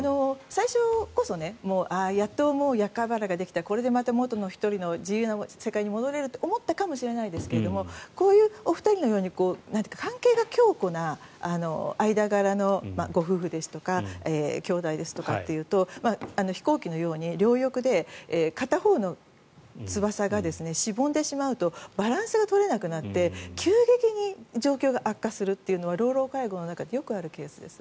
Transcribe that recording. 最初こそやっと厄介払いができたこれでまた１人の自由な生活に戻ったと思ったかもしれないですがこういうお二人のように関係が強固な間柄のご夫婦ですとかきょうだいですとかというと飛行機のように両翼で片方の翼がしぼんでしまうとバランスが取れなくなって急激に状況が悪化するというのは老老介護の中でよくあるケースです。